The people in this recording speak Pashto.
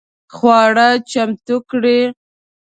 خواړه چمتو کړئ